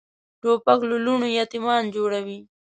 توپک له لوڼو یتیمان جوړوي.